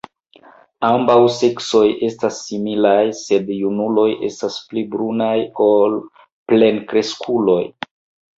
Ambaŭ seksoj estas similaj, sed junuloj estas pli brunaj ol plenkreskuloj.